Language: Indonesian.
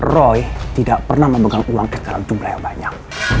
roy tidak pernah memegang uang ke dalam jumlah yang banyak